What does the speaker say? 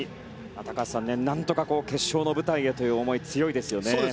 高橋さん、何とか決勝の舞台へという思い強いですよね。